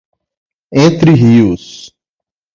Entre Rios